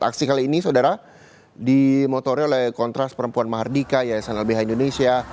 aksi kali ini saudara dimotori oleh kontras perempuan mahardika yayasan lbh indonesia